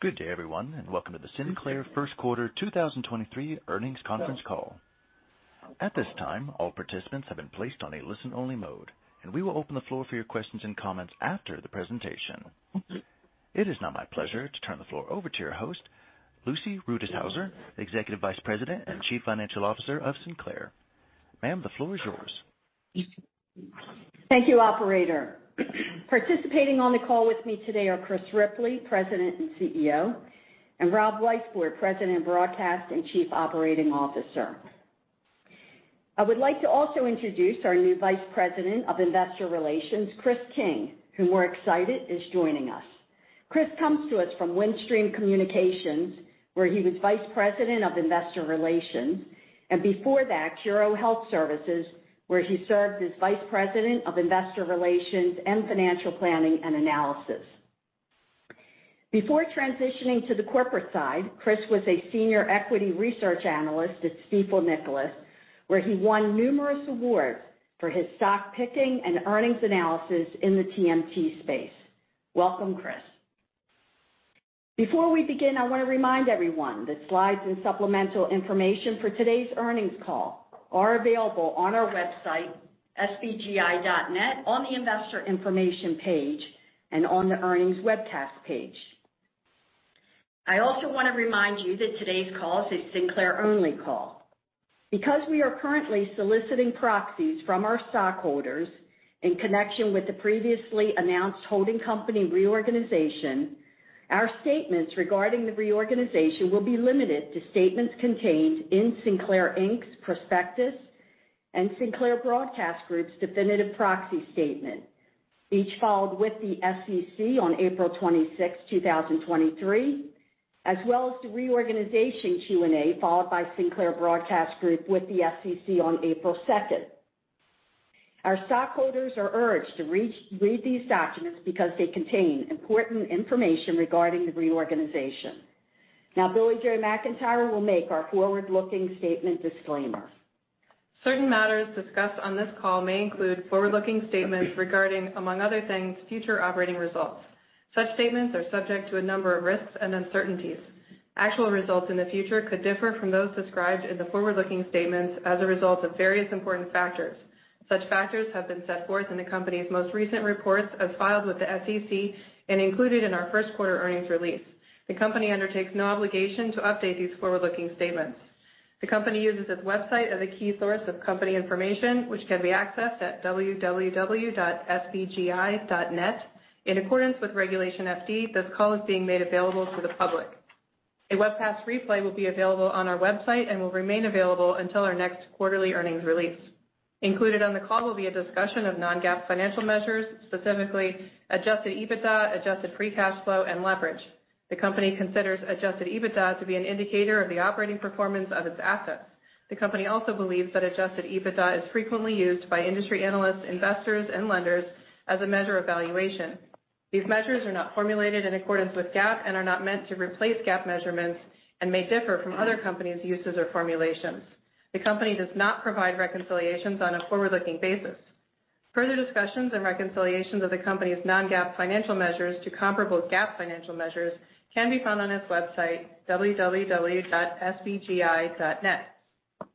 Good day, everyone, welcome to the Sinclair First Quarter 2023 Earnings Conference Call. At this time, all participants have been placed on a listen-only mode, we will open the floor for your questions and comments after the presentation. It is now my pleasure to turn the floor over to your host, Lucy Rutishauser, Executive Vice President and Chief Financial Officer of Sinclair. Ma'am, the floor is yours. Thank you, operator. Participating on the call with me today are Chris Ripley, President and CEO, and Rob Weisbord, President Broadcast and Chief Operating Officer. I would like to also introduce our new Vice President of Investor Relations, Chris King, who we're excited is joining us. Chris comes to us from Windstream Communications, where he was Vice President of Investor Relations. Before that, Curo Health Services, where he served as Vice President of Investor Relations and Financial Planning and Analysis. Before transitioning to the corporate side, Chris was a Senior Equity Research Analyst at Stifel Nicolaus, where he won numerous awards for his stock picking and earnings analysis in the TMT space. Welcome, Chris. Before we begin, I want to remind everyone that slides and supplemental information for today's earnings call are available on our website, sbgi.net, on the investor information page and on the earnings webcast page. I also want to remind you that today's call is a Sinclair-only call. Because we are currently soliciting proxies from our stockholders in connection with the previously announced holding company reorganization, our statements regarding the reorganization will be limited to statements contained in Sinclair, Inc.'s prospectus and Sinclair Broadcast Group's definitive proxy statement, each filed with the SEC on April 26th, 2023, as well as the reorganization Q&A, followed by Sinclair Broadcast Group with the SEC on April 2nd. Our stockholders are urged to read these documents because they contain important information regarding the reorganization. Now, Billie-Jo McIntire will make our forward-looking statement disclaimer. Certain matters discussed on this call may include forward-looking statements regarding, among other things, future operating results. Such statements are subject to a number of risks and uncertainties. Actual results in the future could differ from those described in the forward-looking statements as a result of various important factors. Such factors have been set forth in the company's most recent reports as filed with the SEC and included in our first quarter earnings release. The company undertakes no obligation to update these forward-looking statements. The company uses its website as a key source of company information, which can be accessed at www.sbgi.net. In accordance with Regulation FD, this call is being made available to the public. A webcast replay will be available on our website and will remain available until our next quarterly earnings release. Included on the call will be a discussion of non-GAAP financial measures, specifically adjusted EBITDA, adjusted free cash flow, and leverage. The company considers adjusted EBITDA to be an indicator of the operating performance of its assets. The company also believes that adjusted EBITDA is frequently used by industry analysts, investors, and lenders as a measure of valuation. These measures are not formulated in accordance with GAAP and are not meant to replace GAAP measurements and may differ from other companies' uses or formulations. The company does not provide reconciliations on a forward-looking basis. Further discussions and reconciliations of the company's non-GAAP financial measures to comparable GAAP financial measures can be found on its website, www.sbgi.net.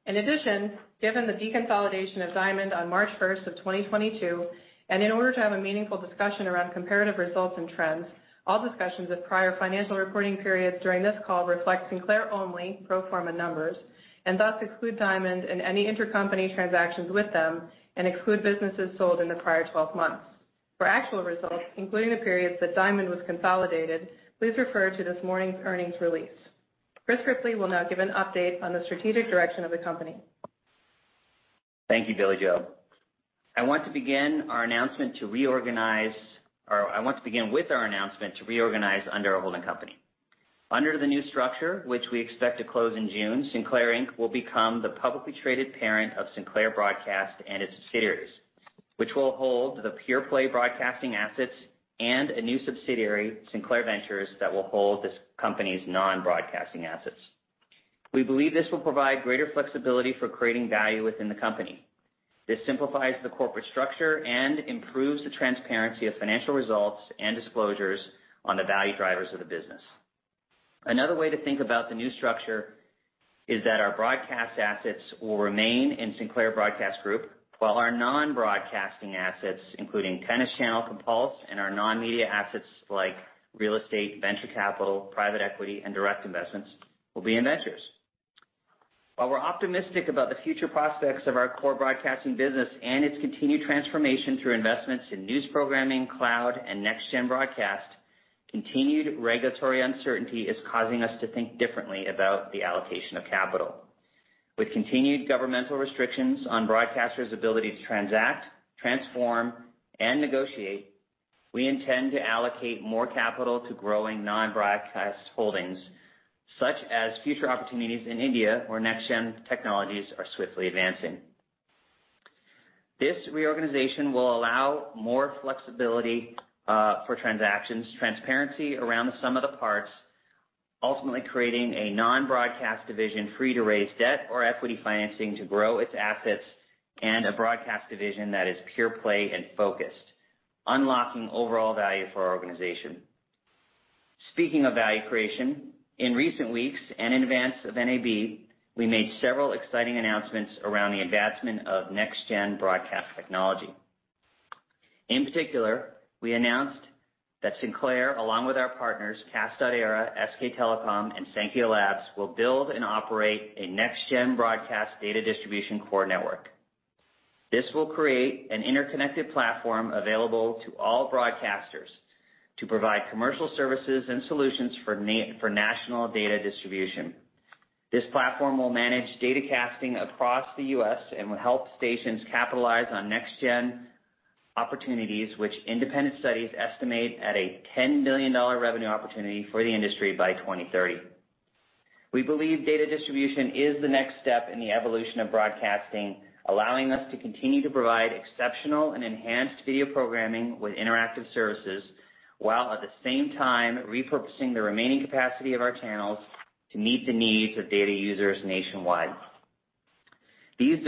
In addition, given the deconsolidation of Diamond on March first of 2022, and in order to have a meaningful discussion around comparative results and trends, all discussions of prior financial reporting periods during this call reflect Sinclair-only pro forma numbers, and thus exclude Diamond and any intercompany transactions with them and exclude businesses sold in the prior 12 months. For actual results, including the periods that Diamond was consolidated, please refer to this morning's earnings release. Chris Ripley will now give an update on the strategic direction of the company. Thank you, Billie-Jo. I want to begin with our announcement to reorganize under our holding company. Under the new structure, which we expect to close in June, Sinclair, Inc. will become the publicly traded parent of Sinclair Broadcast and its subsidiaries, which will hold the pure-play broadcasting assets and a new subsidiary, Sinclair Ventures, that will hold this company's non-broadcasting assets. We believe this will provide greater flexibility for creating value within the company. This simplifies the corporate structure and improves the transparency of financial results and disclosures on the value drivers of the business. Another way to think about the new structure is that our broadcast assets will remain in Sinclair Broadcast Group, while our non-broadcasting assets, including Tennis Channel, Compulse, and our non-media assets like real estate, venture capital, private equity, and direct investments will be in Ventures. While we're optimistic about the future prospects of our core broadcasting business and its continued transformation through investments in news programming, cloud, and NEXTGEN Broadcast, continued regulatory uncertainty is causing us to think differently about the allocation of capital. With continued governmental restrictions on broadcasters' ability to transact, transform, and negotiate, we intend to allocate more capital to growing non-broadcast holdings, such as future opportunities in India, where NEXTGEN technologies are swiftly advancing. This reorganization will allow more flexibility for transactions, transparency around the sum of the parts. Ultimately creating a non-broadcast division free to raise debt or equity financing to grow its assets and a broadcast division that is pure play and focused, unlocking overall value for our organization. Speaking of value creation, in recent weeks and in advance of NAB, we made several exciting announcements around the advancement of NEXTGEN Broadcast technology. In particular, we announced that Sinclair, along with our partners, CAST.ERA, SK Telecom, and Saankhya Labs, will build and operate a NEXTGEN Broadcast data distribution core network. This will create an interconnected platform available to all broadcasters to provide commercial services and solutions for national data distribution. This platform will manage data casting across the U.S. and will help stations capitalize on NEXTGEN opportunities, which independent studies estimate at a $10 billion revenue opportunity for the industry by 2030. We believe data distribution is the next step in the evolution of broadcasting, allowing us to continue to provide exceptional and enhanced video programming with interactive services, while at the same time repurposing the remaining capacity of our channels to meet the needs of data users nationwide. These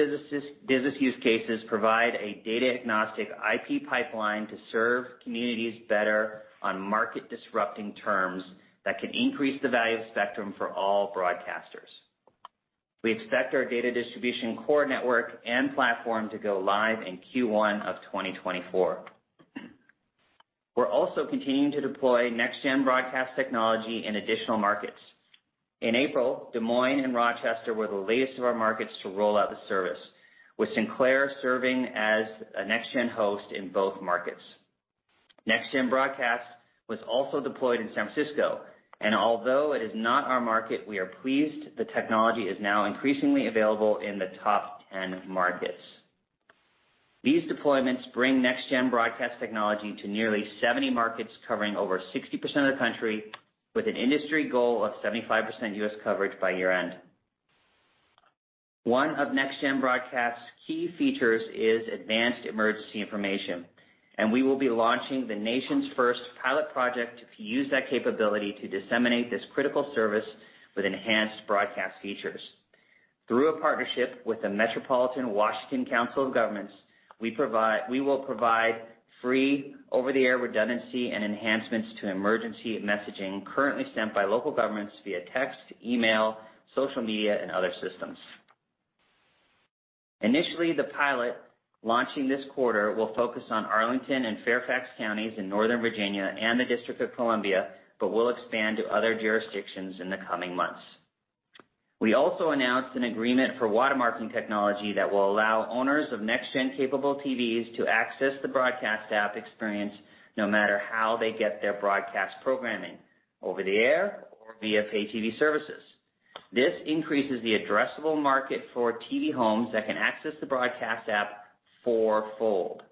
business use cases provide a data-agnostic IP pipeline to serve communities better on market-disrupting terms that can increase the value of spectrum for all broadcasters. We expect our data distribution core network and platform to go live in Q1 of 2024. We're also continuing to deploy NEXTGEN Broadcast technology in additional markets. In April, Des Moines and Rochester were the latest of our markets to roll out the service, with Sinclair serving as a NEXTGEN host in both markets. NEXTGEN Broadcast was also deployed in San Francisco, and although it is not our market, we are pleased the technology is now increasingly available in the top 10 markets. These deployments bring NEXTGEN Broadcast technology to nearly 70 markets covering over 60% of the country with an industry goal of 75% U.S. coverage by year-end. One of NEXTGEN Broadcast's key features is advanced emergency information. We will be launching the nation's first pilot project to use that capability to disseminate this critical service with enhanced broadcast features. Through a partnership with the Metropolitan Washington Council of Governments, we will provide free over-the-air redundancy and enhancements to emergency messaging currently sent by local governments via text, email, social media, and other systems. Initially, the pilot launching this quarter will focus on Arlington and Fairfax counties in Northern Virginia and the District of Columbia, but will expand to other jurisdictions in the coming months. We also announced an agreement for watermarking technology that will allow owners of NEXTGEN-capable TVs to access the broadcast app experience no matter how they get their broadcast programming, over the air or via pay TV services. This increases the addressable market for TV homes that can access the broadcast app 4-fold.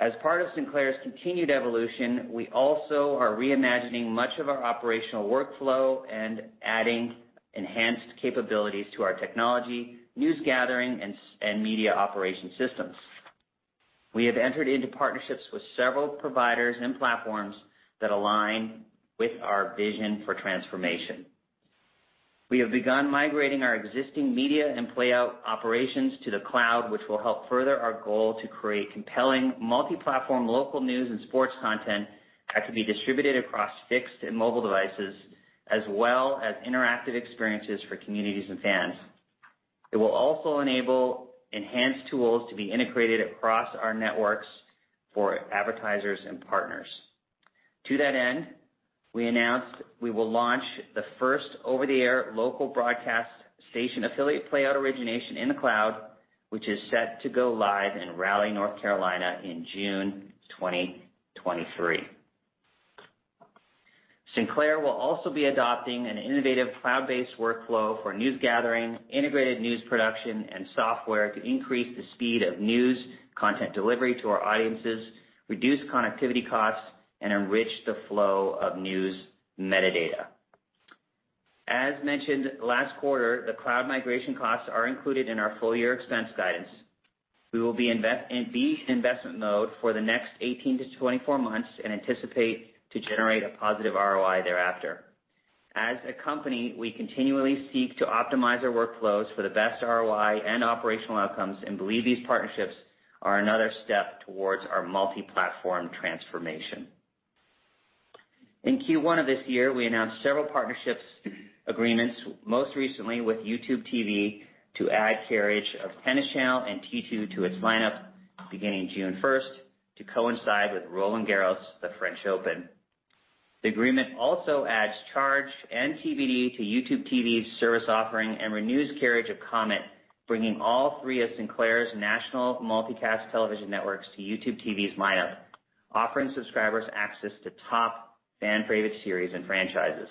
As part of Sinclair's continued evolution, we also are reimagining much of our operational workflow and adding enhanced capabilities to our technology, news gathering, and and media operation systems. We have entered into partnerships with several providers and platforms that align with our vision for transformation. We have begun migrating our existing media and playout operations to the cloud, which will help further our goal to create compelling multi-platform local news and sports content that can be distributed across fixed and mobile devices, as well as interactive experiences for communities and fans. It will also enable enhanced tools to be integrated across our networks for advertisers and partners. To that end, we announced we will launch the first over-the-air local broadcast station affiliate playout origination in the cloud, which is set to go live in Raleigh, North Carolina, in June 2023. Sinclair will also be adopting an innovative cloud-based workflow for news gathering, integrated news production, and software to increase the speed of news content delivery to our audiences, reduce connectivity costs, and enrich the flow of news metadata. As mentioned last quarter, the cloud migration costs are included in our full-year expense guidance. We will be in investment mode for the next 18 to 24 months and anticipate to generate a positive ROI thereafter. As a company, we continually seek to optimize our workflows for the best ROI and operational outcomes and believe these partnerships are another step towards our multi-platform transformation. In Q1 of this year, we announced several partnerships agreements, most recently with YouTube TV to add carriage of Tennis Channel and T2 to its lineup beginning June 1st to coincide with Roland-Garros, the French Open. The agreement also adds Charge and TBD to YouTube TV's service offering and renews carriage of Comet, bringing all three of Sinclair's national multicast television networks to YouTube TV's lineup, offering subscribers access to top fan-favorite series and franchises.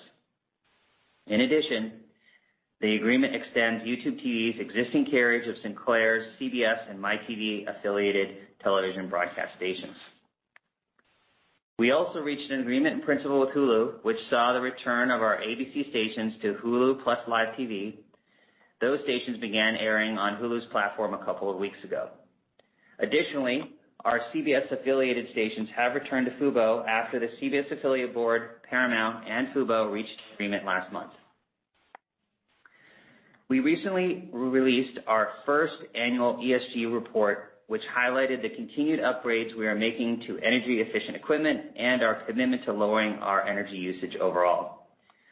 The agreement extends YouTube TV's existing carriage of Sinclair's CBS and MyTV affiliated television broadcast stations. We also reached an agreement in principle with Hulu, which saw the return of our ABC stations to Hulu + Live TV. Those stations began airing on Hulu's platform a couple of weeks ago. Our CBS-affiliated stations have returned to Fubo after the CBS affiliate board, Paramount and Fubo reached an agreement last month. We recently re-released our first annual ESG report, which highlighted the continued upgrades we are making to energy-efficient equipment and our commitment to lowering our energy usage overall.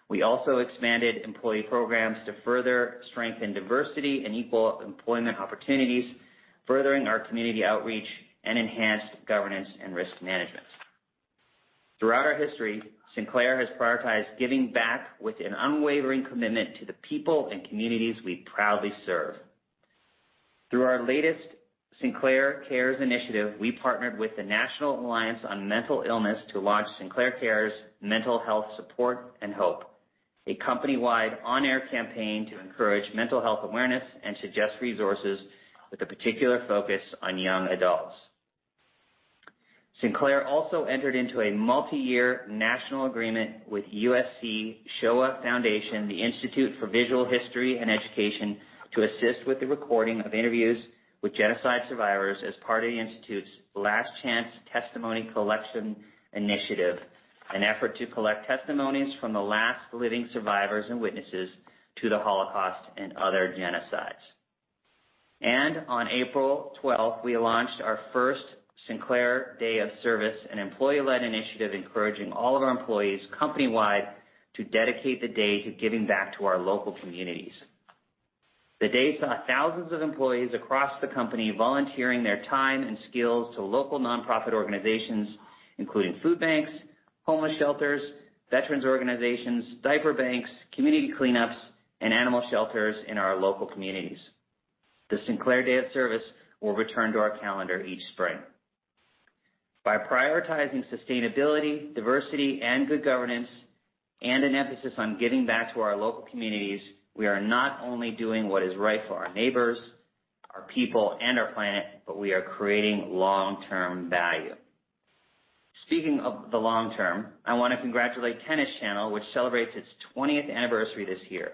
We also expanded employee programs to further strengthen diversity and equal employment opportunities, furthering our community outreach and enhanced governance and risk management. Throughout our history, Sinclair has prioritized giving back with an unwavering commitment to the people and communities we proudly serve. Through our latest Sinclair Cares initiative, we partnered with the National Alliance on Mental Illness to launch Sinclair Cares Mental Health Support and Hope, a company-wide on-air campaign to encourage mental health awareness and suggest resources with a particular focus on young adults. Sinclair also entered into a multiyear national agreement with USC Shoah Foundation – The Institute for Visual History and Education, to assist with the recording of interviews with genocide survivors as part of the Institute's Last Chance Testimony Collection Initiative, an effort to collect testimonies from the last living survivors and witnesses to the Holocaust and other genocides. On April twelfth, we launched our first Sinclair Day of Service, an employee-led initiative encouraging all of our employees company-wide to dedicate the day to giving back to our local communities. The day saw thousands of employees across the company volunteering their time and skills to local nonprofit organizations, including food banks, homeless shelters, veterans organizations, diaper banks, community cleanups, and animal shelters in our local communities. The Sinclair Day of Service will return to our calendar each spring. By prioritizing sustainability, diversity, and good governance, and an emphasis on giving back to our local communities, we are not only doing what is right for our neighbors, our people, and our planet, but we are creating long-term value. Speaking of the long term, I wanna congratulate Tennis Channel, which celebrates its 20th anniversary this year.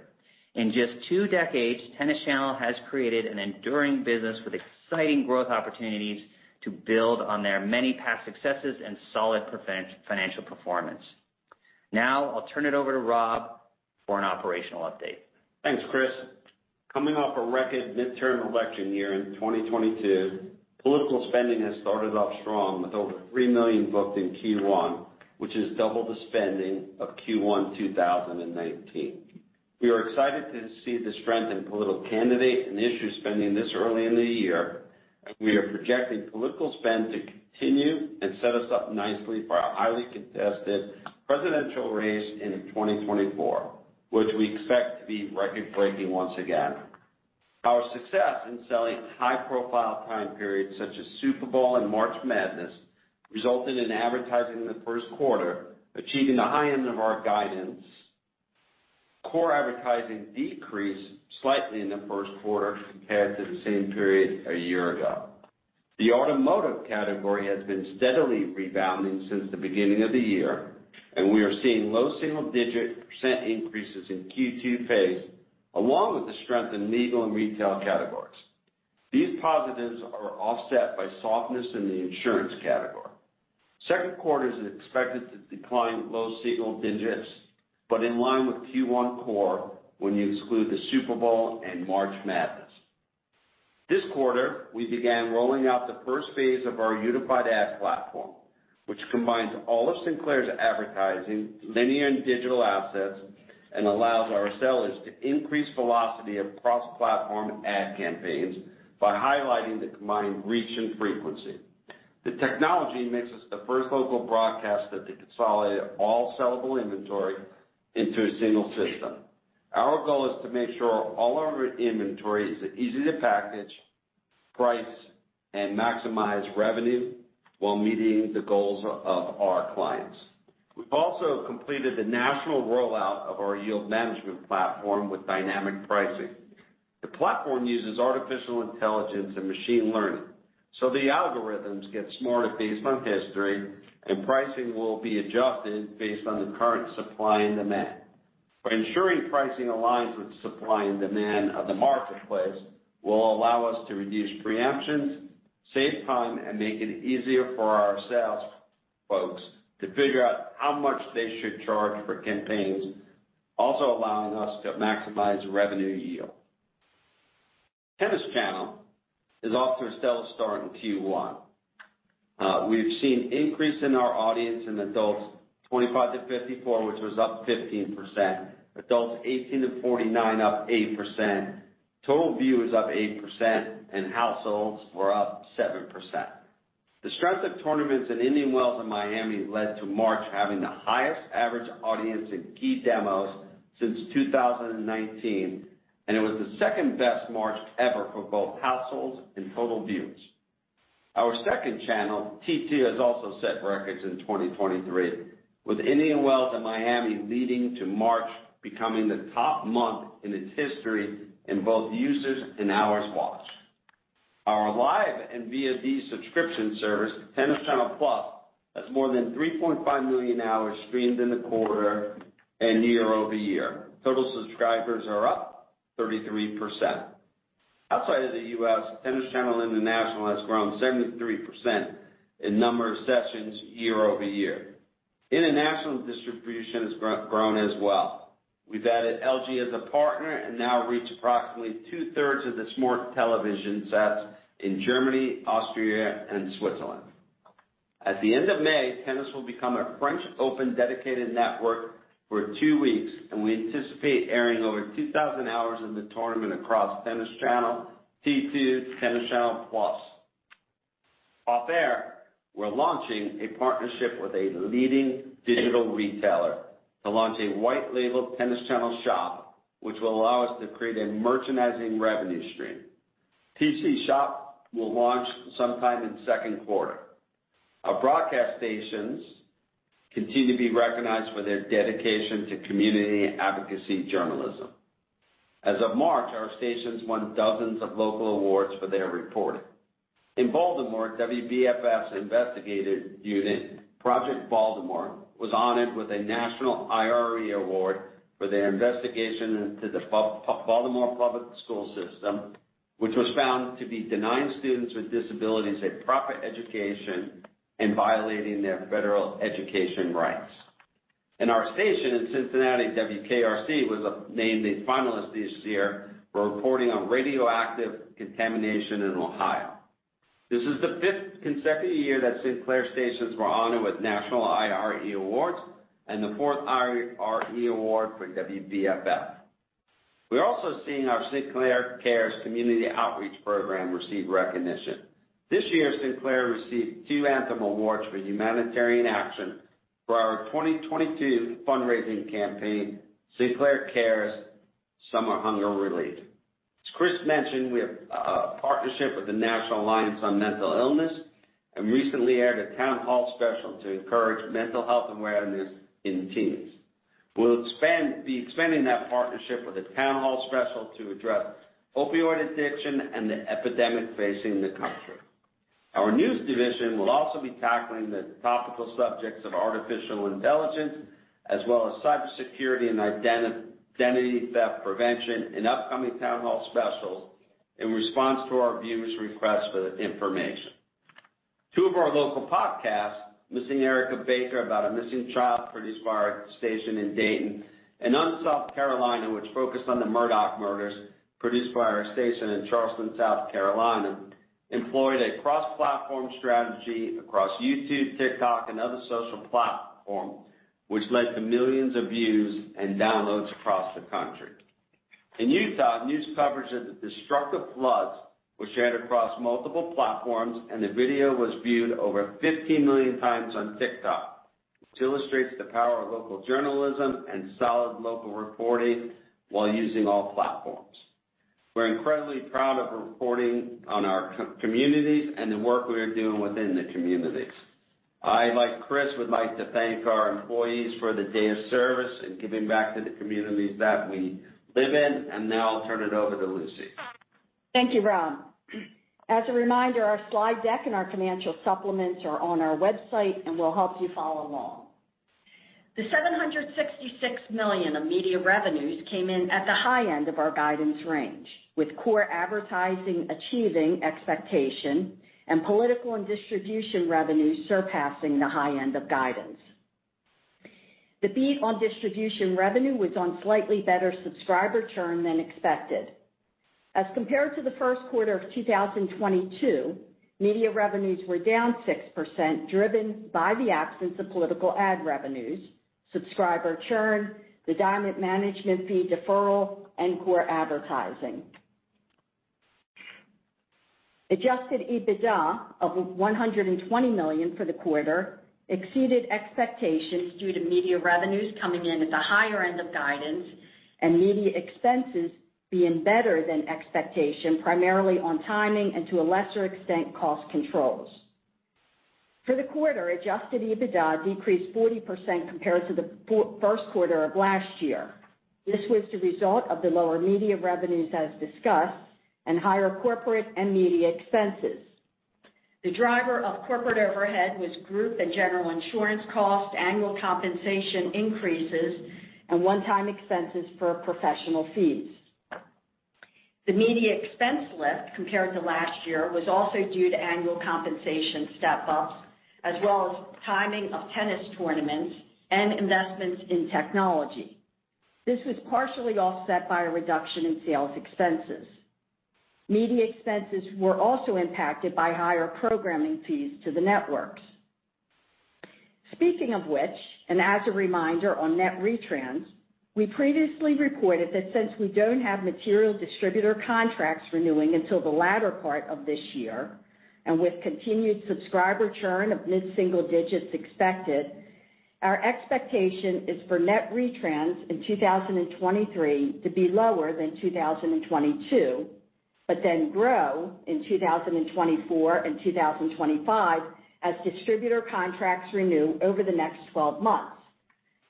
In just two decades, Tennis Channel has created an enduring business with exciting growth opportunities to build on their many past successes and solid financial performance. Now, I'll turn it over to Rob for an operational update. Thanks, Chris. Coming off a record midterm election year in 2022, political spending has started off strong with over $3 million booked in Q1, which is double the spending of Q1 2019. We are excited to see the strength in political candidate and issue spending this early in the year. We are projecting political spend to continue and set us up nicely for our highly contested presidential race in 2024, which we expect to be record-breaking once again. Our success in selling high-profile time periods such as Super Bowl and March Madness resulted in advertising in the first quarter, achieving the high end of our guidance. Core advertising decreased slightly in the first quarter compared to the same period a year ago. The automotive category has been steadily rebounding since the beginning of the year. We are seeing low single-digit % increases in Q2 pace, along with the strength in legal and retail categories. These positives are offset by softness in the insurance category. Second quarter is expected to decline low single digits, but in line with Q1 core, when you exclude the Super Bowl and March Madness. This quarter, we began rolling out the first phase of our unified ad platform, which combines all of Sinclair's advertising, linear and digital assets, and allows our sellers to increase velocity of cross-platform ad campaigns by highlighting the combined reach and frequency. The technology makes us the first local broadcaster to consolidate all sellable inventory into a single system. Our goal is to make sure all of our inventory is easy to package, price, and maximize revenue while meeting the goals of our clients. We've also completed the national rollout of our yield management platform with dynamic pricing. The platform uses artificial intelligence and machine learning, so the algorithms get smarter based on history, and pricing will be adjusted based on the current supply and demand. By ensuring pricing aligns with supply and demand of the marketplace will allow us to reduce preemptions, save time, and make it easier for our sales folks to figure out how much they should charge for campaigns, also allowing us to maximize revenue yield. Tennis Channel is off to a stellar start in Q1. We've seen increase in our audience in adults 25 to 54, which was up 15%. Adults 18 to 49, up 8%. Total view is up 8%, and households were up 7%. The strength of tournaments in Indian Wells and Miami led to March having the highest average audience in key demos since 2019, and it was the second-best March ever for both households and total views. Our second channel, T2, has also set records in 2023, with Indian Wells and Miami leading to March becoming the top month in its history in both users and hours watched. Our live and VOD subscription service, Tennis Channel Plus, has more than 3.5 million hours streamed in the quarter and year-over-year. Total subscribers are up 33%. Outside of the U.S., Tennis Channel International has grown 73% in number of sessions year-over-year. International distribution has grown as well. We've added LG as a partner and now reach approximately 2/3 of the smart television sets in Germany, Austria, and Switzerland. At the end of May, Tennis will become a French Open dedicated network for 2 weeks, and we anticipate airing over 2,000 hours in the tournament across Tennis Channel, T2, Tennis Channel Plus. Off air, we're launching a partnership with a leading digital retailer to launch a white label Tennis Channel shop, which will allow us to create a merchandising revenue stream. TennisShop.com will launch sometime in 2Q. Our broadcast stations continue to be recognized for their dedication to community advocacy journalism. As of March, our stations won dozens of local awards for their reporting. In Baltimore, WBFF's investigative unit, Project Baltimore, was honored with a national IRE award for their investigation into the Baltimore public school system, which was found to be denying students with disabilities a proper education and violating their federal education rights. In our station in Cincinnati, WKRC was named a finalist this year for reporting on radioactive contamination in Ohio. This is the fifth consecutive year that Sinclair stations were honored with national IRE awards and the fourth IRE award for WBFF. We're also seeing our Sinclair Cares community outreach program receive recognition. This year, Sinclair received 2 Anthem Awards for humanitarian action for our 2022 fundraising campaign, Sinclair Cares Summer Hunger Relief. As Chris mentioned, we have a partnership with the National Alliance on Mental Illness and recently aired a town hall special to encourage mental health awareness in teens. We'll be expanding that partnership with a town hall special to address opioid addiction and the epidemic facing the country. Our news division will also be tackling the topical subjects of artificial intelligence as well as cybersecurity and identity theft prevention in upcoming town hall specials in response to our viewers' requests for the information. Two of our local podcasts, Missing Erica Baker, about a missing child, produced by our station in Dayton, and Unsolved: Carolina, which focused on the Murdaugh murders, produced by our station in Charleston, South Carolina, employed a cross-platform strategy across YouTube, TikTok, and other social platform, which led to millions of views and downloads across the country. In Utah, news coverage of the destructive floods was shared across multiple platforms, and the video was viewed over 50 million times on TikTok, which illustrates the power of local journalism and solid local reporting while using all platforms. We're incredibly proud of reporting on our communities and the work we are doing within the communities. I, like Chris, would like to thank our employees for the Day of Service and giving back to the communities that we live in. Now I'll turn it over to Lucy. Thank you, Rob. As a reminder, our slide deck and our financial supplements are on our website, and we'll help you follow along. The $766 million of media revenues came in at the high end of our guidance range, with core advertising achieving expectation and political and distribution revenues surpassing the high end of guidance. The beat on distribution revenue was on slightly better subscriber churn than expected. As compared to the first quarter of 2022, media revenues were down 6%, driven by the absence of political ad revenues, subscriber churn, the Diamond management fee deferral, and core advertising. adjusted EBITDA of $120 million for the quarter exceeded expectations due to media revenues coming in at the higher end of guidance and media expenses being better than expectation, primarily on timing and to a lesser extent, cost controls. For the quarter, adjusted EBITDA decreased 40% compared to the first quarter of last year. This was the result of the lower media revenues as discussed and higher corporate and media expenses. The driver of corporate overhead was group and general insurance costs, annual compensation increases, and one-time expenses for professional fees. The media expense lift compared to last year was also due to annual compensation step-ups as well as timing of tennis tournaments and investments in technology. This was partially offset by a reduction in sales expenses. Media expenses were also impacted by higher programming fees to the networks. Speaking of which, as a reminder on net retrans, we previously reported that since we don't have material distributor contracts renewing until the latter part of this year and with continued subscriber churn of mid-single digit % expected, our expectation is for net retrans in 2023 to be lower than 2022, grow in 2024 and 2025 as distributor contracts renew over the next 12 months.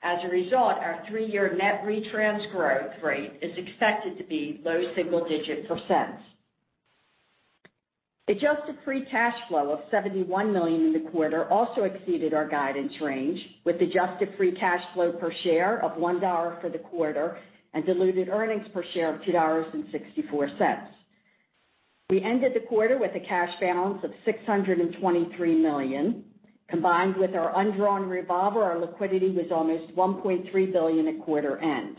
As a result, our three-year net retrans growth rate is expected to be low single digit %. Adjusted free cash flow of $71 million in the quarter also exceeded our guidance range with adjusted free cash flow per share of $1.00 for the quarter and diluted earnings per share of $2.64. We ended the quarter with a cash balance of $623 million. Combined with our undrawn revolver, our liquidity was almost $1.3 billion at quarter end.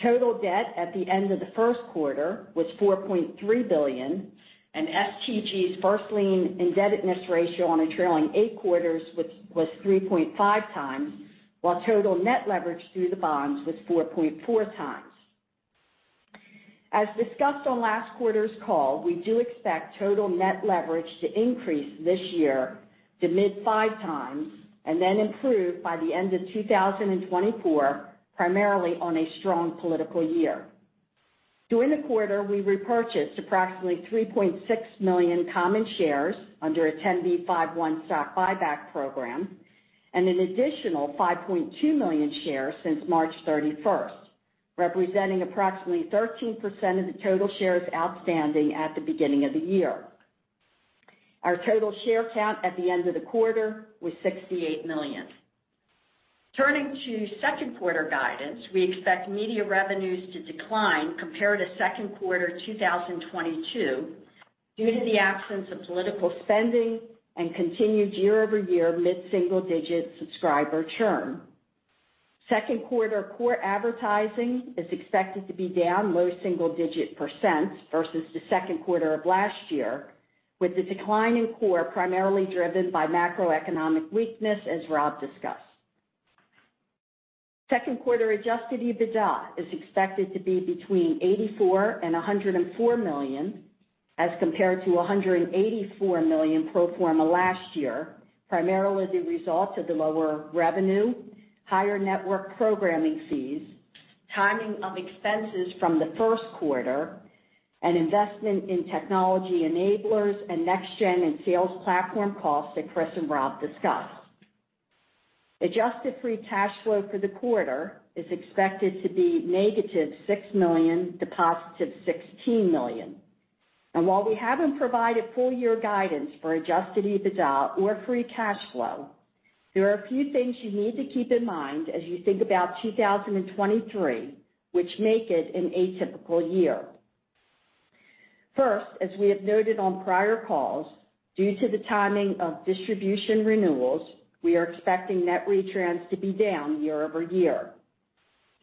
Total debt at the end of the first quarter was $4.3 billion, STG's first lien indebtedness ratio on a trailing 8 quarters was 3.5 times, while total net leverage through the bonds was 4.4 times. As discussed on last quarter's call, we do expect total net leverage to increase this year to mid-5 times and then improve by the end of 2024, primarily on a strong political year. During the quarter, we repurchased approximately 3.6 million common shares under a 10b5-1 stock buyback program and an additional 5.2 million shares since March 31st, representing approximately 13% of the total shares outstanding at the beginning of the year. Our total share count at the end of the quarter was $68 million. Turning to second quarter guidance, we expect media revenues to decline compared to second quarter 2022 due to the absence of political spending and continued year-over-year mid-single digit subscriber churn. Second quarter core advertising is expected to be down low single digit % versus the second quarter of last year, with the decline in core primarily driven by macroeconomic weakness, as Rob discussed. Second quarter adjusted EBITDA is expected to be between $84 million and $104 million as compared to $184 million pro forma last year, primarily the result of the lower revenue, higher network programming fees, timing of expenses from the first quarter and investment in technology enablers and NEXTGEN Broadcast and sales platform costs that Chris and Rob discussed. Adjusted free cash flow for the quarter is expected to be negative $6 million to positive $16 million. While we haven't provided full year guidance for adjusted EBITDA or free cash flow, there are a few things you need to keep in mind as you think about 2023, which make it an atypical year. First, as we have noted on prior calls, due to the timing of distribution renewals, we are expecting net retrans to be down year-over-year.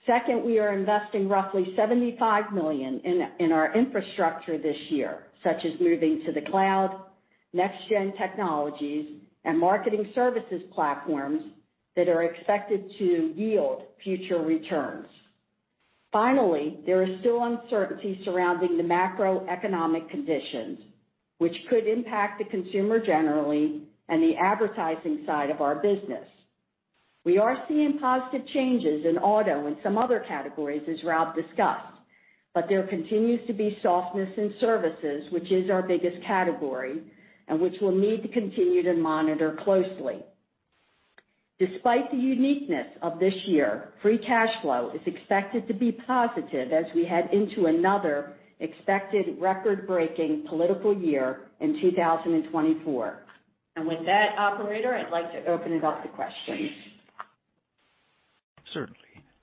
Second, we are investing roughly $75 million in our infrastructure this year, such as moving to the cloud, NEXTGEN technologies and marketing services platforms that are expected to yield future returns. Finally, there is still uncertainty surrounding the macroeconomic conditions, which could impact the consumer generally and the advertising side of our business. We are seeing positive changes in auto and some other categories, as Rob discussed, but there continues to be softness in services, which is our biggest category and which we'll need to continue to monitor closely. Despite the uniqueness of this year, free cash flow is expected to be positive as we head into another expected record-breaking political year in 2024. With that operator, I'd like to open it up for questions. Certainly.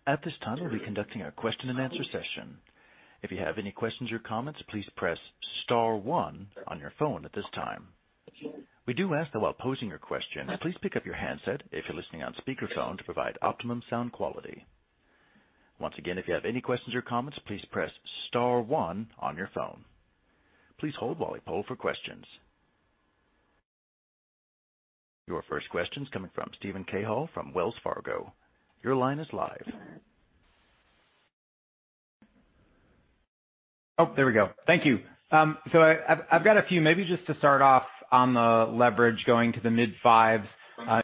At this time, we'll be conducting a question and answer session. If you have any questions or comments, please press star one on your phone at this time. We do ask that while posing your question, please pick up your handset if you're listening on speakerphone to provide optimum sound quality. Once again, if you have any questions or comments, please press star one on your phone. Please hold while we poll for questions. Your first question is coming from Steven Cahall from Wells Fargo. Your line is live. There we go. Thank you. I've got a few maybe just to start off on the leverage going to the mid-5s.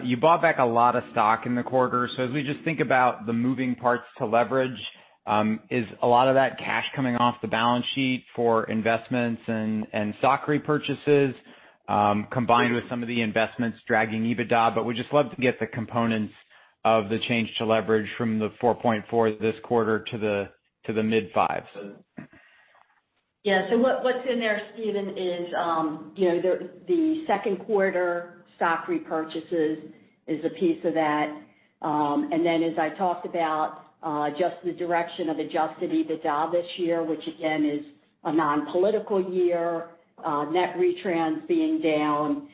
You bought back a lot of stock in the quarter. As we just think about the moving parts to leverage, is a lot of that cash coming off the balance sheet for investments and stock repurchases, combined with some of the investments dragging EBITDA. We'd just love to get the components of the change to leverage from the 4.4 this quarter to the mid-5s. Yeah. What's in there, Steven, is, you know, the 2nd quarter stock repurchases is a piece of that. As I talked about, just the direction of adjusted EBITDA this year, which again is a non-political year, net retrans being down,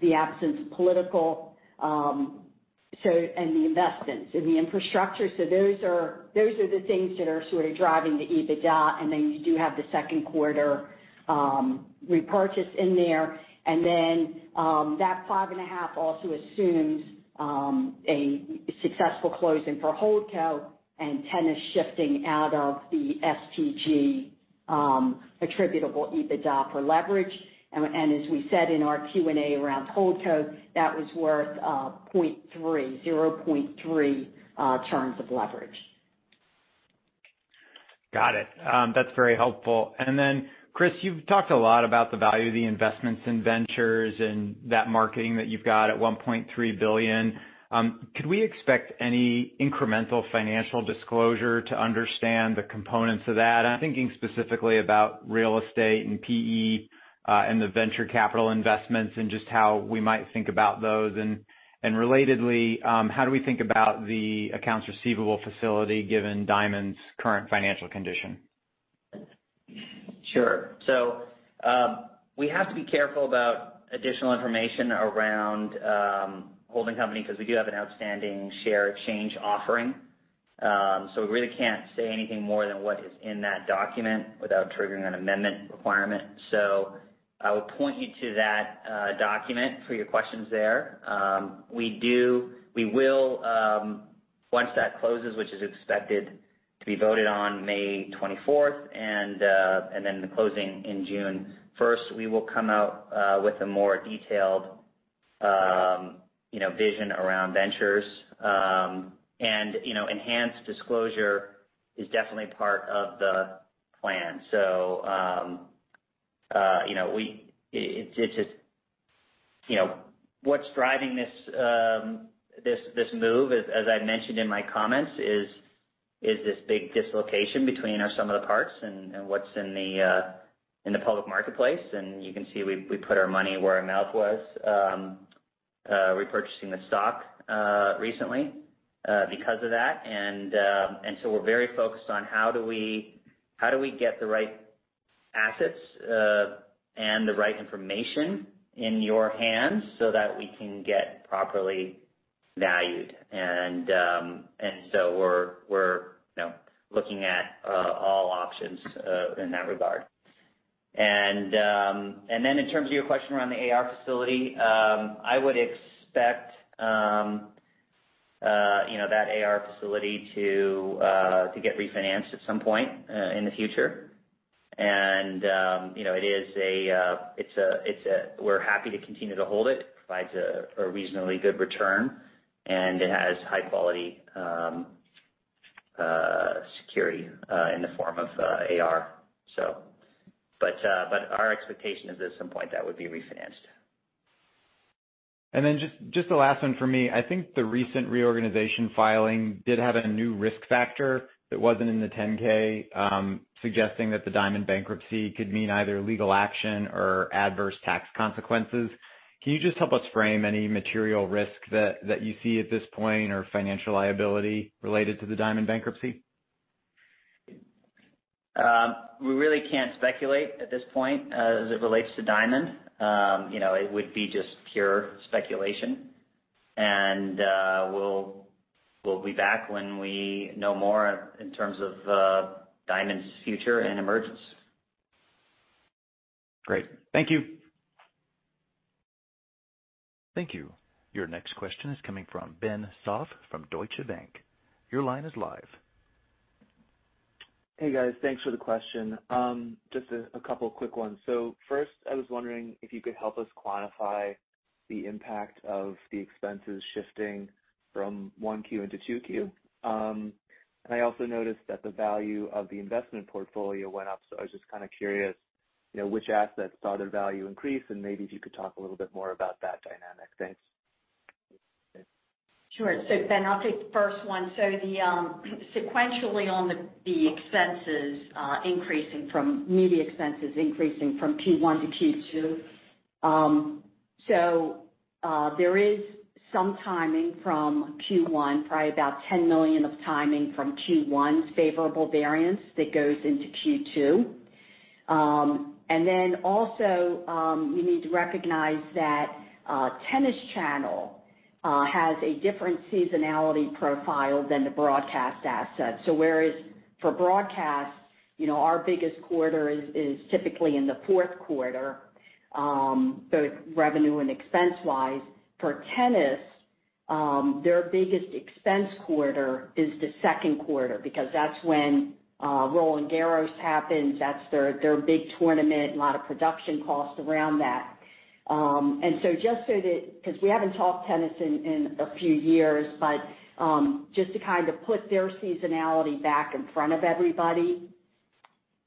the absence of political, the investments in the infrastructure. Those are the things that are sort of driving the EBITDA. You do have the 2nd quarter repurchase in there. That 5.5 also assumes a successful closing for Holdco and Tennis shifting out of the STG attributable EBITDA for leverage. As we said in our Q&A around Holdco, that was worth 0.3, 0.3 turns of leverage. Got it. That's very helpful. Chris, you've talked a lot about the value of the investments in ventures and that marketing that you've got at $1.3 billion. Could we expect any incremental financial disclosure to understand the components of that? I'm thinking specifically about real estate and PE and the venture capital investments and just how we might think about those. Relatedly, how do we think about the accounts receivable facility given Diamond's current financial condition? Sure. We have to be careful about additional information around holding company because we do have an outstanding share exchange offering. We really can't say anything more than what is in that document without triggering an amendment requirement. I will point you to that document for your questions there. We will, once that closes, which is expected to be voted on May 24th and then the closing in June 1st, we will come out with a more detailed, you know, vision around ventures. You know, enhanced disclosure is definitely part of the plan. You know, it's just, you know, what's driving this move, as I mentioned in my comments is this big dislocation between our sum of the parts and what's in the public marketplace. You can see we put our money where our mouth was, repurchasing the stock recently because of that. We're very focused on how do we, how do we get the right assets and the right information in your hands so that we can get properly valued. We're, we're, you know, looking at all options in that regard. In terms of your question around the AR facility, I would expect, you know, that AR facility to get refinanced at some point in the future. You know, We're happy to continue to hold it, provides a reasonably good return, and it has high quality security in the form of AR. Our expectation is at some point that would be refinanced. Then just the last one for me. I think the recent reorganization filing did have a new risk factor that wasn't in the 10-K, suggesting that the Diamond bankruptcy could mean either legal action or adverse tax consequences. Can you just help us frame any material risk that you see at this point or financial liability related to the Diamond bankruptcy? We really can't speculate at this point as it relates to Diamond. You know, it would be just pure speculation. We'll be back when we know more in terms of Diamond's future and emergence. Great. Thank you. Thank you. Your next question is coming from Benjamin Soff from Deutsche Bank. Your line is live. Hey, guys. Thanks for the question. Just a couple quick ones. First, I was wondering if you could help us quantify the impact of the expenses shifting from 1Q into 2Q. I also noticed that the value of the investment portfolio went up. I was just kind of curious, you know, which assets saw their value increase, and maybe if you could talk a little bit more about that dynamic. Thanks. Sure. Ben Soff, I'll take the first one. The sequentially on the expenses increasing from media expenses increasing from Q1 to Q2. There is some timing from 1, probably about $10 million of timing from Q1's favorable variance that goes into Q2. You need to recognize that Tennis Channel has a different seasonality profile than the broadcast asset. Whereas for broadcast, you know, our biggest quarter is typically in the fourth quarter, both revenue and expense-wise. For tennis, their biggest expense quarter is the second quarter because that's when Roland-Garros happens. That's their big tournament, a lot of production costs around that. Just because we haven't talked tennis in a few years, but just to kind of put their seasonality back in front of everybody.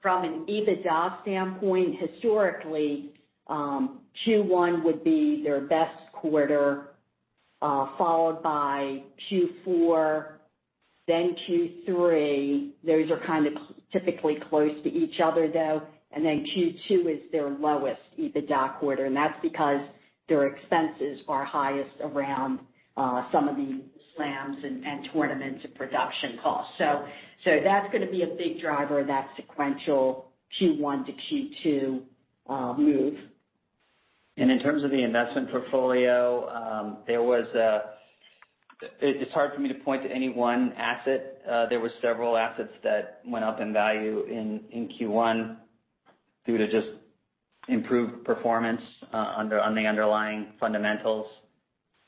From an EBITDA standpoint, historically, Q1 would be their best quarter, followed by Q4, then Q3. Those are kind of typically close to each other, though. Q2 is their lowest EBITDA quarter, and that's because their expenses are highest around some of the slams and tournaments and production costs. That's gonna be a big driver of that sequential Q1 to Q2 move. In terms of the investment portfolio, It's hard for me to point to any one asset. There were several assets that went up in value in Q1 due to just improved performance on the underlying fundamentals.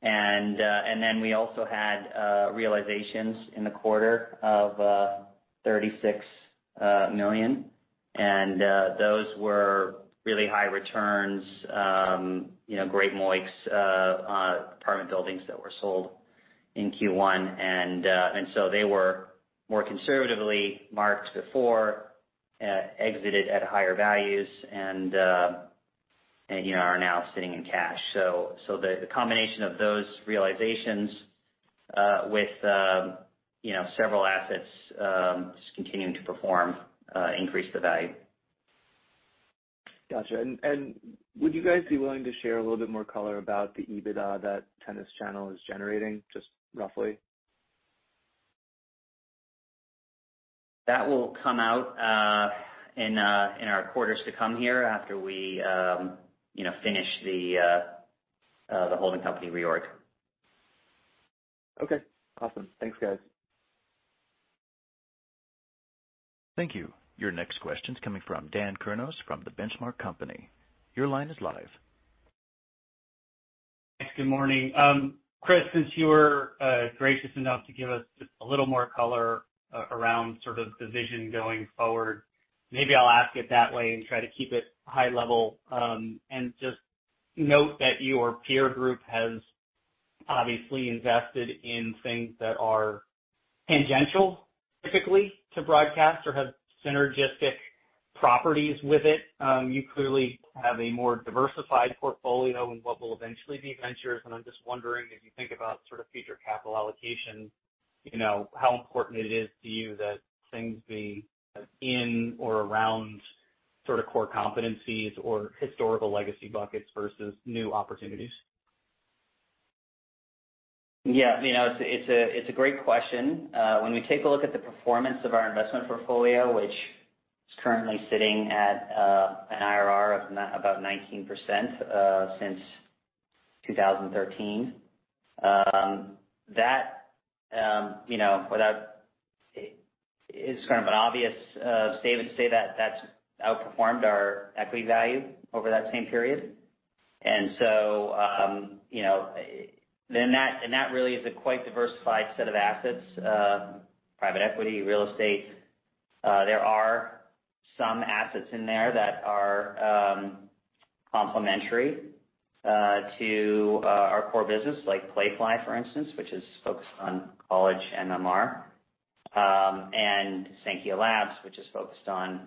We also had realizations in the quarter of $36 million. Those were really high returns, you know, great MOICs, apartment buildings that were sold in Q1. They were more conservatively marked before exited at higher values and, you know, are now sitting in cash. The combination of those realizations with, you know, several assets just continuing to perform increased the value. Gotcha. Would you guys be willing to share a little bit more color about the EBITDA that Tennis Channel is generating, just roughly? That will come out in our quarters to come here after we, you know, finish the Holding Company reorg. Okay. Awesome. Thanks, guys. Thank you. Your next question's coming from Dan Kurnos from The Benchmark Company. Your line is live. Good morning. Chris, since you were gracious enough to give us just a little more color around sort of the vision going forward, maybe I'll ask it that way and try to keep it high level. Just note that your peer group has obviously invested in things that are tangential, typically, to broadcast or have synergistic properties with it. You clearly have a more diversified portfolio in what will eventually be ventures. I'm just wondering if you think about sort of future capital allocation, you know, how important it is to you that things be in or around sort of core competencies or historical legacy buckets versus new opportunities. It's a great question. When we take a look at the performance of our investment portfolio, which is currently sitting at an IRR of about 19% since 2013, that, you know, without... It is kind of an obvious statement to say that that's outperformed our equity value over that same period. You know, then that, and that really is a quite diversified set of assets. Private equity, real estate, there are some assets in there that are complementary to our core business like Playfly, for instance, which is focused on college MMR, and Saankhya Labs, which is focused on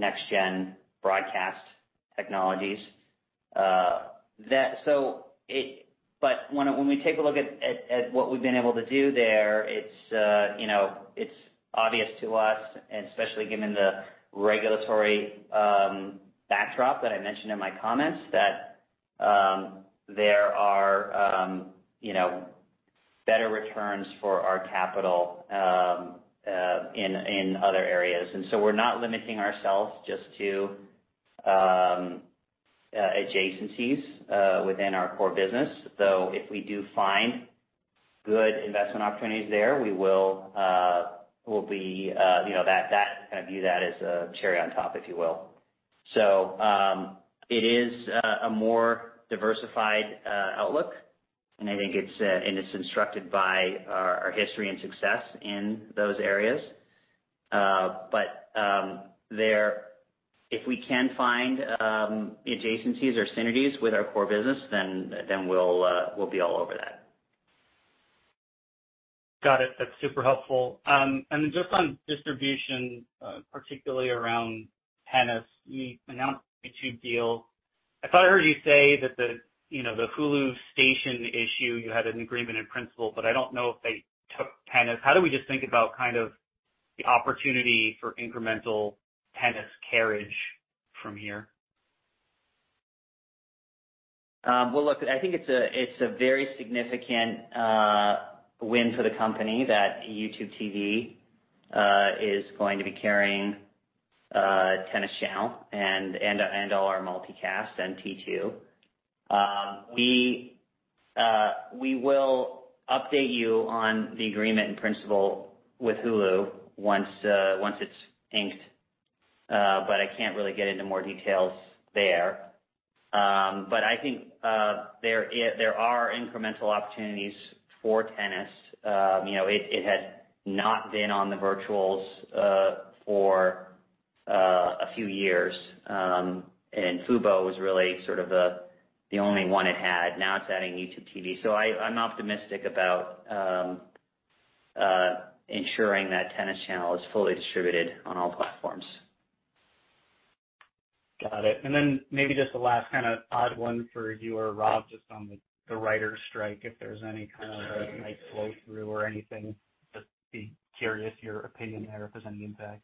NEXTGEN Broadcast technologies. So it... When we take a look at what we've been able to do there, it's, you know, it's obvious to us, and especially given the regulatory backdrop that I mentioned in my comments, that there are, you know, better returns for our capital in other areas. We're not limiting ourselves just to adjacencies within our core business. Though if we do find good investment opportunities there, we will, we'll be, you know, that kind of view that as a cherry on top, if you will. It is a more diversified outlook, and I think it's and it's instructed by our history and success in those areas. If we can find adjacencies or synergies with our core business, then we'll be all over that. Got it. That's super helpful. Just on distribution, particularly around Tennis, you announced the YouTube deal. I thought I heard you say that the, you know, the Hulu station issue, you had an agreement in principle, but I don't know if they took Tennis. How do we just think about kind of the opportunity for incremental Tennis carriage from here? Well, look, I think it's a very significant win for the company that YouTube TV is going to be carrying Tennis Channel and all our multicast, T2. We will update you on the agreement in principle with Hulu once it's inked. I can't really get into more details there. I think there are incremental opportunities for Tennis. You know, it had not been on the virtuals for a few years. Fubo was really sort of the only one it had. Now it's adding YouTube TV. I'm optimistic about ensuring that Tennis Channel is fully distributed on all platforms. Got it. Maybe just the last kind of odd one for you or Rob, just on the writers strike, if there's any kind of a nice flow through or anything. Just be curious your opinion there if there's any impact?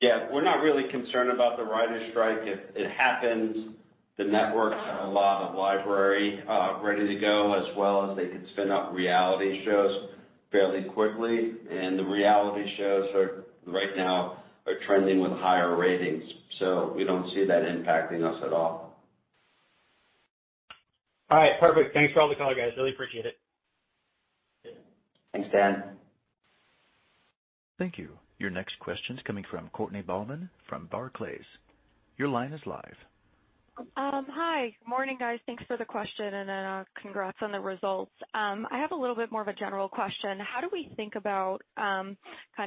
Yeah. We're not really concerned about the writers strike. If it happens, the networks have a lot of library ready to go, as well as they could spin up reality shows fairly quickly. The reality shows are, right now, trending with higher ratings. We don't see that impacting us at all. All right. Perfect. Thanks for all the color, guys. Really appreciate it. Thanks, Dan. Thank you. Your next question's coming from Courtney Bahlman from Barclays. Your line is live. Hi. Morning, guys. Thanks for the question and congrats on the results. I have a little bit more of a general question. How do we think about kind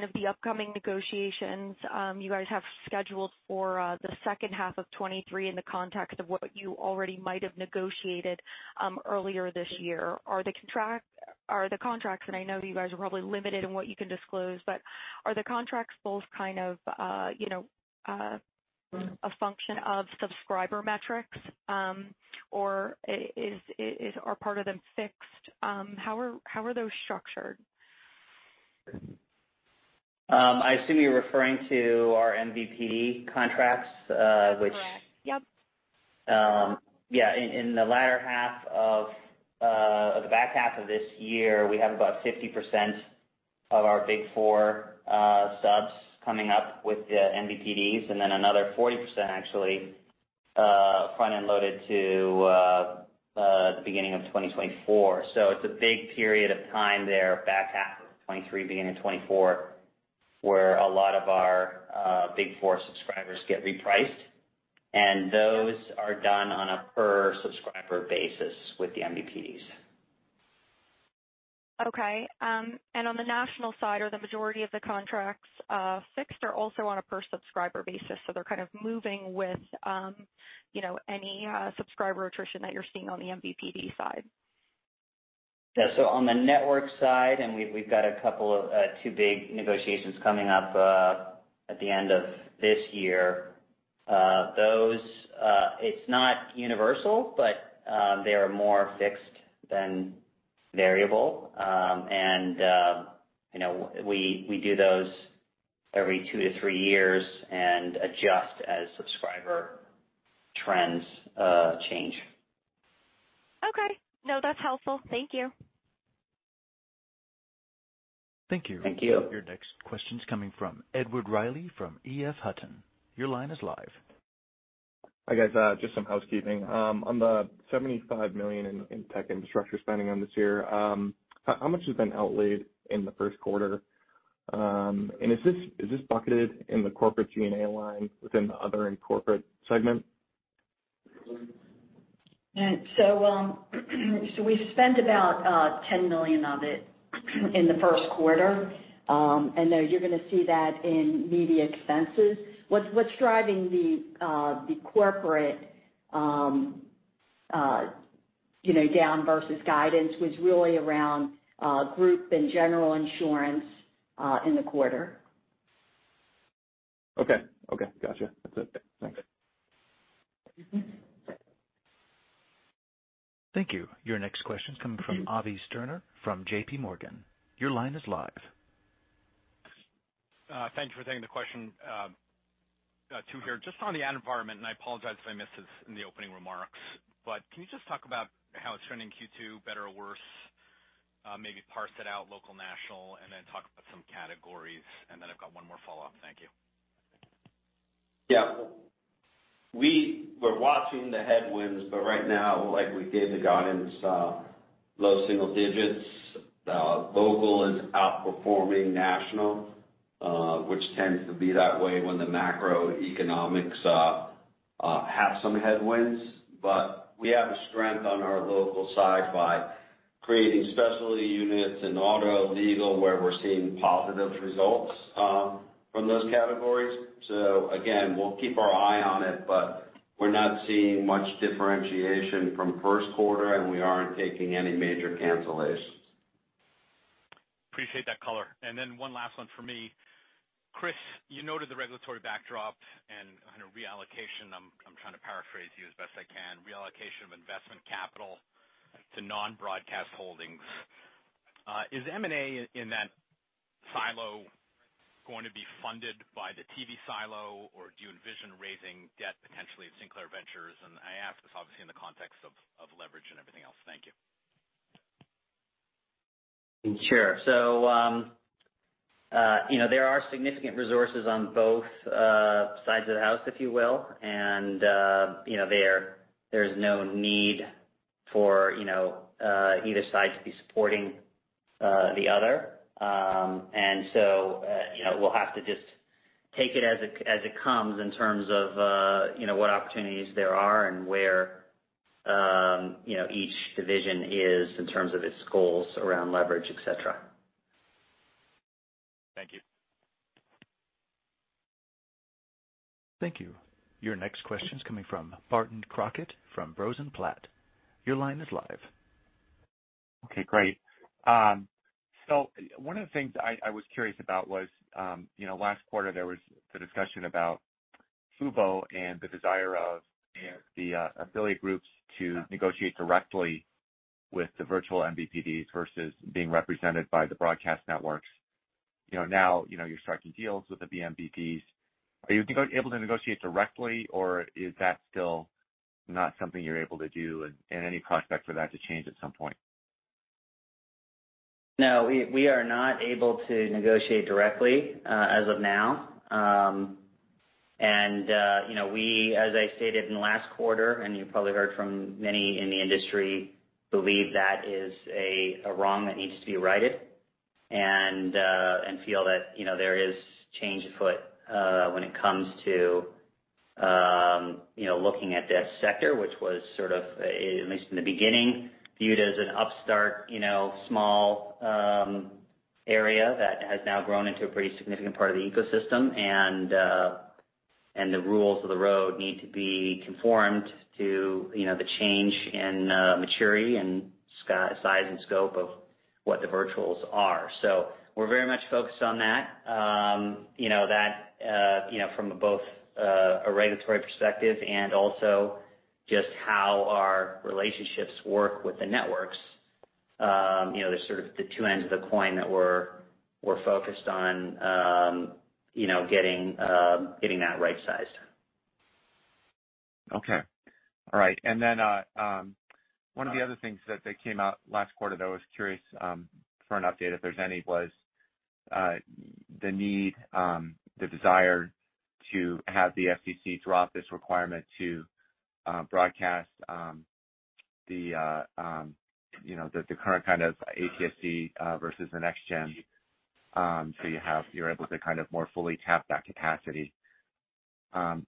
of the upcoming negotiations you guys have scheduled for the second half of 23 in the context of what you already might have negotiated earlier this year? Are the contracts, and I know you guys are probably limited in what you can disclose, but are the contracts both kind of, you know, a function of subscriber metrics, or are part of them fixed? How are those structured? I assume you're referring to our MVPD contracts. Correct. Yep. Yeah, in the latter half of the back half of this year, we have about 50% of our Big 4 subs coming up with the MVPDs, then another 40% actually, front-end loaded to the beginning of 2024. It's a big period of time there, back half of 2023, beginning of 2024, where a lot of our Big 4 subscribers get repriced. Those are done on a per subscriber basis with the MVPDs. Okay. On the national side, are the majority of the contracts, fixed or also on a per subscriber basis, so they're kind of moving with, you know, any subscriber attrition that you're seeing on the MVPD side? Yeah. On the network side, we've got a couple of 2 big negotiations coming up at the end of this year. Those, it's not universal, but they are more fixed than variable. You know, we do those every 2-3 years and adjust as subscriber trends change. Okay. No, that's helpful. Thank you. Thank you. Thank you. Your next question's coming from Edward Reilly from EF Hutton. Your line is live. Hi, guys. Just some housekeeping. On the $75 million in tech infrastructure spending on this year, how much has been outlaid in the first quarter? Is this bucketed in the corporate G&A line within the other and corporate segment? Yeah. so we spent about $10 million of it in the first quarter. there you're gonna see that in media expenses. What's driving the corporate, you know, down versus guidance was really around group and general insurance in the quarter. Okay. Okay. Gotcha. That's it. Thanks. Thank you. Your next question coming from Avi Steiner from J.P. Morgan. Your line is live. Thank you for taking the question, 2 here. Just on the ad environment, I apologize if I missed this in the opening remarks, but can you just talk about how it's trending in Q2, better or worse? Maybe parse it out local, national, then talk about some categories. I've got 1 more follow-up. Thank you. Yeah. We were watching the headwinds, but right now, like we gave the guidance, low single digits. Local is outperforming national, which tends to be that way when the macroeconomics have some headwinds. We have a strength on our local side by creating specialty units in auto, legal, where we're seeing positive results, from those categories. Again, we'll keep our eye on it, but we're not seeing much differentiation from 1st quarter, and we aren't taking any major cancellations. Appreciate that color. Then one last one for me. Chris, you noted the regulatory backdrop and a reallocation. I'm trying to paraphrase you as best I can. Reallocation of investment capital to non-broadcast holdings. Is M&A in that silo going to be funded by the TV silo, or do you envision raising debt potentially at Sinclair Ventures? I ask this obviously in the context of leverage and everything else. Thank you. Sure. You know, there are significant resources on both sides of the house, if you will. You know, there's no need for, you know, either side to be supporting the other. You know, we'll have to just take it as it, as it comes in terms of, you know, what opportunities there are and where, you know, each division is in terms of its goals around leverage, et cetera. Thank you. Thank you. Your next question is coming from Barton Crockett from Rosenblatt. Your line is live. Okay, great. One of the things I was curious about was, you know, last quarter there was the discussion about Fubo and the desire of the affiliate groups to negotiate directly with the virtual MVPDs versus being represented by the broadcast networks. Now, you know, you're striking deals with the vMVPDs. Are you able to negotiate directly, or is that still not something you're able to do and any prospect for that to change at some point? No, we are not able to negotiate directly, as of now. You know, we, as I stated in the last quarter, and you probably heard from many in the industry, believe that is a wrong that needs to be righted. Feel that, you know, there is change afoot, when it comes to, you know, looking at that sector, which was sort of, at least in the beginning, viewed as an upstart, you know, small, area that has now grown into a pretty significant part of the ecosystem. The rules of the road need to be conformed to, you know, the change in maturity and size and scope of what the virtuals are. We're very much focused on that. You know, that, you know, from both a regulatory perspective and also just how our relationships work with the networks. You know, there's sort of the 2 ends of the coin that we're focused on, you know, getting that right-sized. Okay. All right. Then, one of the other things that came out last quarter that I was curious for an update, if there's any, was the need, the desire to have the FCC drop this requirement to broadcast the, you know, the current kind of ATSC versus the NextGen, so you're able to kind of more fully tap that capacity.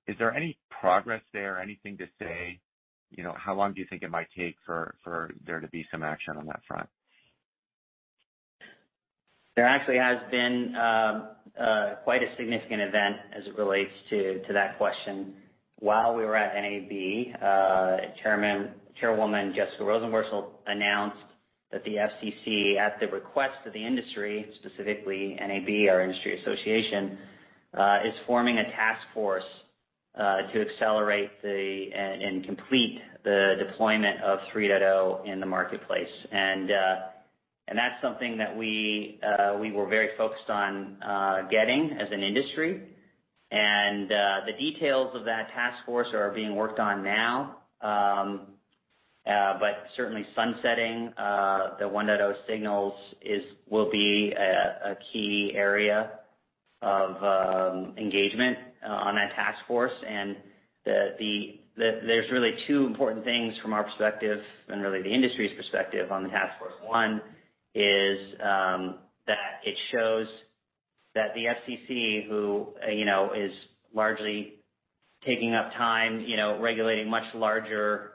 Is there any progress there? Anything to say? You know, how long do you think it might take for there to be some action on that front? There actually has been quite a significant event as it relates to that question. While we were at NAB, Chairwoman Jessica Rosenworcel announced that the FCC, at the request of the industry, specifically NAB, our industry association, is forming a task force to accelerate and complete the deployment of 3.0 in the marketplace. That's something that we were very focused on getting as an industry. The details of that task force are being worked on now. But certainly sunsetting the 1.0 signals will be a key area of engagement on that task force. There's really two important things from our perspective and really the industry's perspective on the task force. One is, that it shows that the FCC, who, you know, is largely taking up time, you know, regulating much larger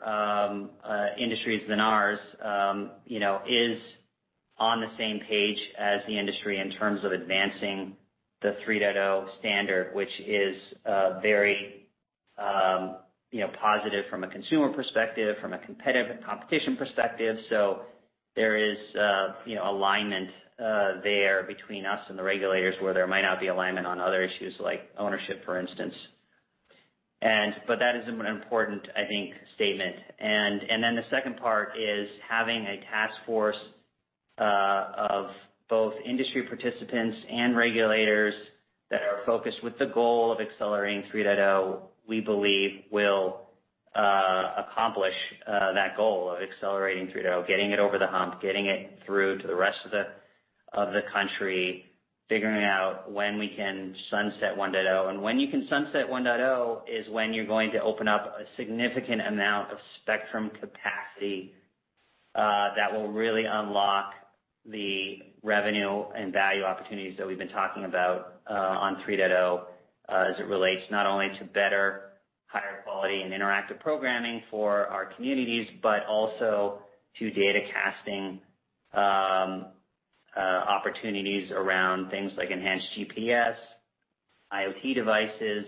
industries than ours, you know, is on the same page as the industry in terms of advancing the 3.0 standard, which is very, you know, positive from a consumer perspective, from a competitive and competition perspective. There is, you know, alignment there between us and the regulators where there might not be alignment on other issues like ownership, for instance. That is an important, I think, statement. Then the second part is having a task force of both industry participants and regulators that are focused with the goal of accelerating 3.0, we believe will accomplish that goal of accelerating 3.0, getting it over the hump, getting it through to the rest of the country, figuring out when we can sunset 1.0. When you can sunset 1.0 is when you're going to open up a significant amount of spectrum capacity that will really unlock the revenue and value opportunities that we've been talking about on 3.0, as it relates not only to better, higher quality and interactive programming for our communities, but also to data casting opportunities around things like enhanced GPS, IoT devices,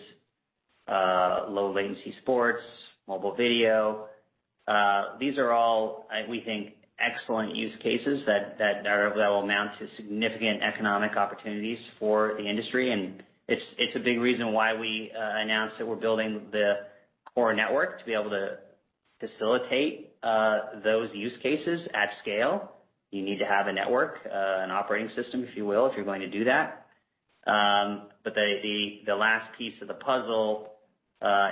low latency sports, mobile video. These are all, we think, excellent use cases that will amount to significant economic opportunities for the industry. It's a big reason why we announced that we're building the core network to be able to facilitate those use cases at scale. You need to have a network, an operating system, if you will, if you're going to do that. The last piece of the puzzle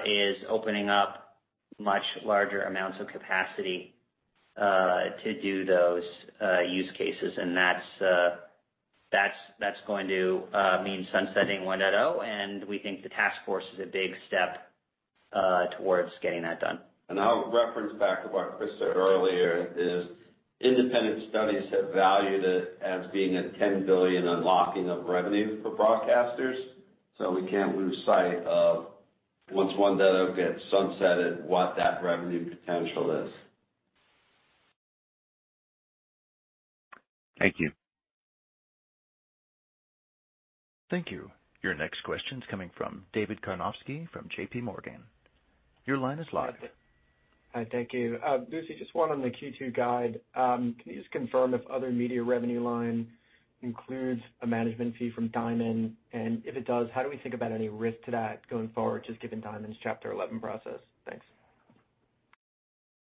is opening up much larger amounts of capacity to do those use cases. That's, that's going to mean sunsetting 1.0, and we think the task force is a big step towards getting that done. I'll reference back to what Chris said earlier, is independent studies have valued it as being a $10 billion unlocking of revenue for broadcasters. We can't lose sight of, once 1.0 gets sunsetted, what that revenue potential is. Thank you. Thank you. Your next question's coming from David Karnovsky from J.P. Morgan. Your line is live. Hi. Thank you. Lucy, just one on the Q2 guide. Can you just confirm if other media revenue line includes a management fee from Diamond? If it does, how do we think about any risk to that going forward, just given Diamond's Chapter 11 process?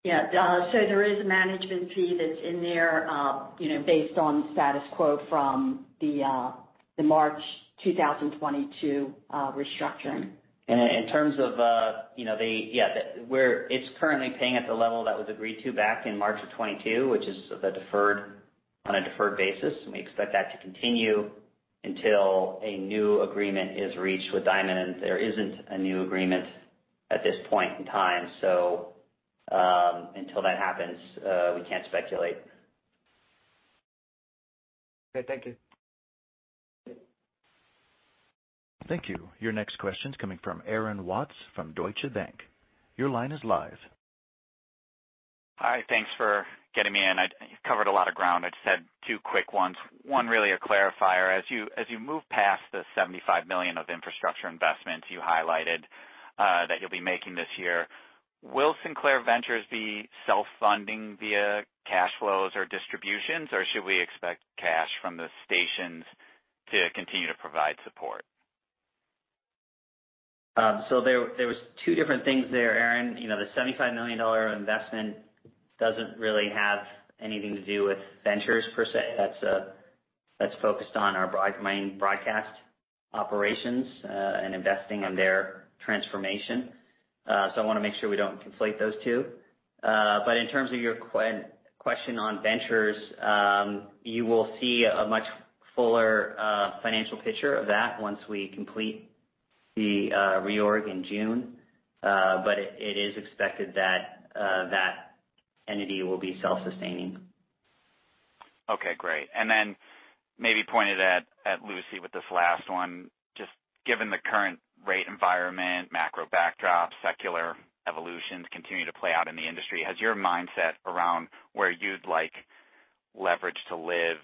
Thanks. Yeah. There is a management fee that's in there, you know, based on status quo from the March 2022 restructuring. In terms of, you know, It's currently paying at the level that was agreed to back in March of 2022, which is on a deferred basis. We expect that to continue until a new agreement is reached with Diamond. There isn't a new agreement at this point in time, so. Until that happens, we can't speculate. Okay, thank you. Thank you. Your next question's coming from Aaron Watts from Deutsche Bank. Your line is live. Hi, thanks for getting me in. You've covered a lot of ground. I just had two quick ones. One really a clarifier. As you move past the $75 million of infrastructure investments you highlighted that you'll be making this year, will Sinclair Ventures be self-funding via cash flows or distributions, or should we expect cash from the stations to continue to provide support? There was two different things there, Aaron. You know, the $75 million investment doesn't really have anything to do with ventures per se. That's focused on our main broadcast operations and investing in their transformation. I wanna make sure we don't conflate those two. In terms of your question on ventures, you will see a much fuller financial picture of that once we complete the reorg in June. It is expected that entity will be self-sustaining. Okay, great. Then maybe pointed at Lucy with this last one. Just given the current rate environment, macro backdrop, secular evolutions continue to play out in the industry, has your mindset around where you'd like leverage to live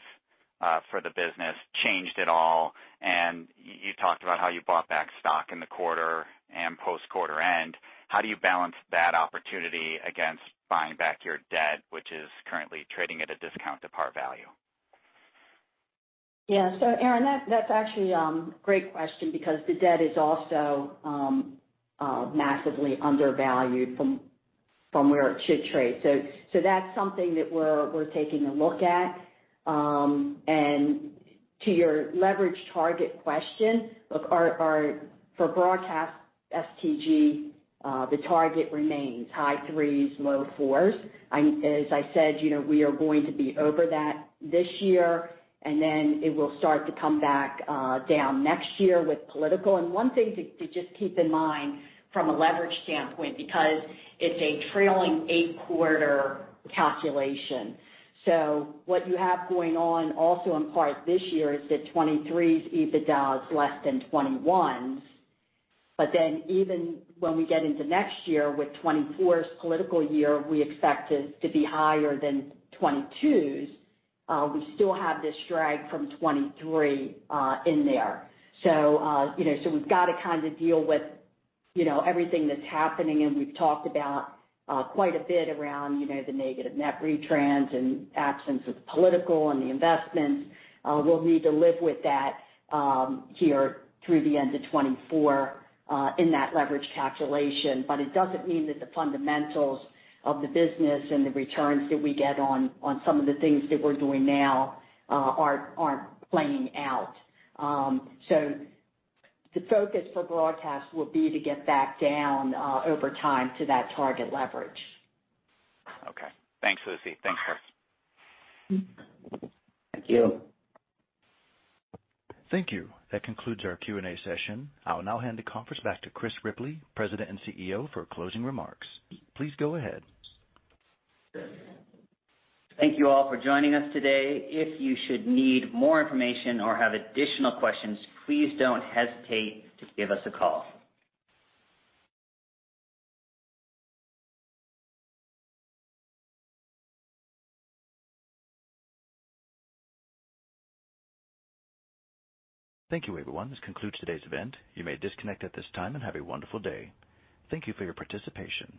for the business changed at all? You talked about how you bought back stock in the quarter and post-quarter end. How do you balance that opportunity against buying back your debt, which is currently trading at a discount to par value? Yeah. Aaron Watts, that's actually great question because the debt is also massively undervalued from where it should trade. That's something that we're taking a look at. And to your leverage target question, look, our for broadcast STG, the target remains high 3s, low 4s. As I said, you know, we are going to be over that this year, and then it will start to come back down next year with political. And one thing to just keep in mind from a leverage standpoint, because it's a trailing eight quarter calculation. What you have going on also in part this year is that 2023's EBITDA is less than 2021's. Even when we get into next year with 2024's political year, we expect it to be higher than 2022's. We still have this drag from 23 in there. You know, we've gotta kinda deal with, you know, everything that's happening, and we've talked about quite a bit around, you know, the negative net retrans and absence of political and the investments. We'll need to live with that here through the end of 24 in that leverage calculation. It doesn't mean that the fundamentals of the business and the returns that we get on some of the things that we're doing now, aren't playing out. The focus for broadcast will be to get back down over time to that target leverage. Okay. Thanks, Lucy. Thanks, Chris. Thank you. Thank you. That concludes our Q&A session. I will now hand the conference back to Chris Ripley, President and CEO, for closing remarks. Please go ahead. Thank you all for joining us today. If you should need more information or have additional questions, please don't hesitate to give us a call. Thank you, everyone. This concludes today's event. You may disconnect at this time and have a wonderful day. Thank you for your participation.